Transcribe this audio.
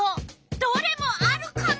どれもあるカモ！